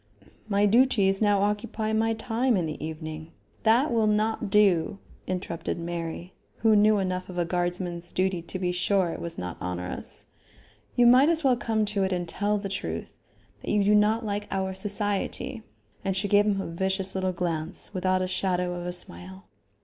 "My duties now occupy my time in the evening " "That will not do," interrupted Mary, who knew enough of a guardsman's duty to be sure it was not onerous. "You might as well come to it and tell the truth; that you do not like our society." And she gave him a vicious little glance without a shadow of a smile.